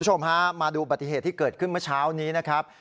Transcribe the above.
คุณผู้ชมฮะมาดูบัติเหตุที่เกิดขึ้นเมื่อเช้านี้นะครับ